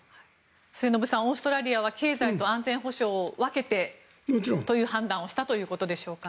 末延さんオーストラリアは経済と安全保障を分けてという判断をしたということでしょうか。